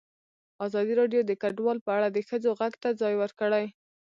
ازادي راډیو د کډوال په اړه د ښځو غږ ته ځای ورکړی.